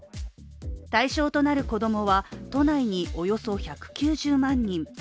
対象となる子供は都内におよそ１９０万人。